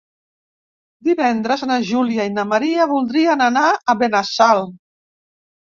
Divendres na Júlia i na Maria voldrien anar a Benassal.